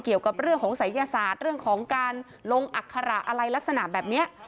เกี่ยวกับเรื่องของศัยยศาสตร์เรื่องของการลงอัคระอะไรลักษณะแบบนี้